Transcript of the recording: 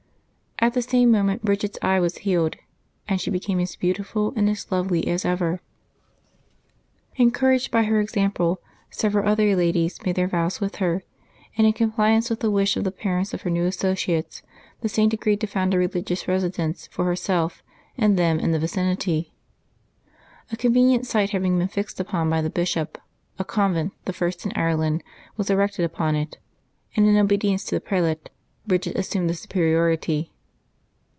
At the same moment Bridgid's eye was healed, and she became as beautiful and as lovely as ever. Encouraged by her example, several other ladies made their vows with her, and in compliance with the wish of the parents of her new associates, the Saint agreed to found a religious residence for herself and them in the vicinity. A convenient site having been fixed upon by the bishop, a convent, the first in Ireland, was erected upon it ; and in obedience to the prelate Bridgid assumed the supe riority.